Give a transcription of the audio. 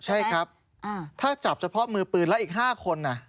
ใช่ครับถ้าจับเฉพาะมือปืนแล้วอีก๕คน